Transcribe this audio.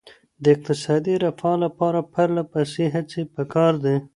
د اقتصادي رفاه لپاره پرله پسې هڅې پکار دي.